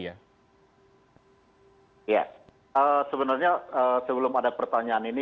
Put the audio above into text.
ya sebenarnya sebelum ada pertanyaan ini